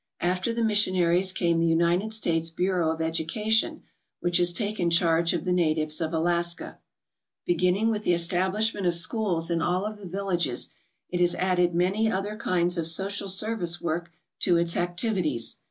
After the missionaries came the United States Bureau of Education, which has taken charge of the natives of Alaska. Beginning with the establishment of schools in all of the villages, it has added many other kinds of social service work to its activities.